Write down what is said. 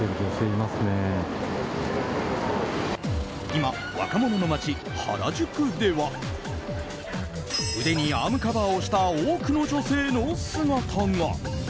今、若者の街・原宿では腕にアームカバーをした多くの女性の姿が。